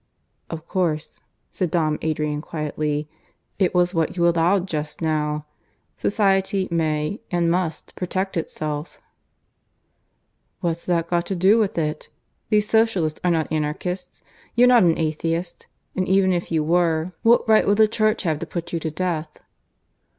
"Of course," said Dom Adrian quietly. "It was what you allowed just now. Society may, and must, protect itself." "What's that got to do with it? These Socialists are not Anarchists. You're not an atheist. And even if you were, what right would the Church have to put you to death?"